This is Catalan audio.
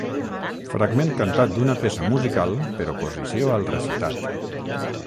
Fragment cantat d'una peça musical per oposició al recitat.